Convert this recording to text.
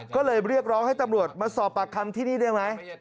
ก็เลยเรียกร้องให้ตำรวจมาสอบปากคำที่นี่ได้ไหม